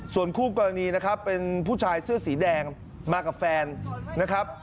ส่วนคู่กรณีนะครับเป็นผู้ชายเสื้อสีแดงมากับแฟนนะครับ